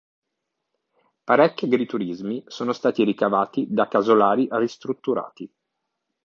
Parecchi agriturismi sono stati ricavati da casolari ristrutturati.